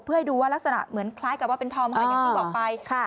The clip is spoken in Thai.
เพื่อให้ดูว่ารักษณะเหมือนคล้ายกับว่าเป็นธอมค่ะอย่างที่บอกไป